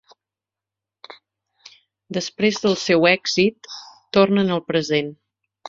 Després del seu èxit, tornen al present.